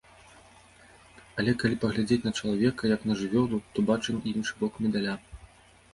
Але калі паглядзець на чалавека як на жывёлу, то бачым і іншы бок медаля.